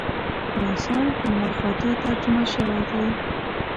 خراسان په لمرخاته ترجمه شوی دی.